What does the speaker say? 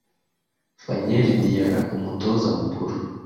Fanyeri Diarra (Umutoza mukuru)